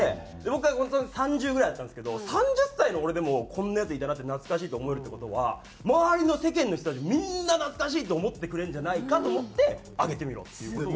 僕はその時３０ぐらいだったんですけど３０歳の俺でもこんなヤツいたなって懐かしいと思えるって事は周りの世間の人たちみんな懐かしいって思ってくれるんじゃないかと思って上げてみろっていう事を。